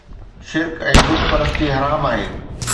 شرڪ ۽ بت پرستي حرام آهي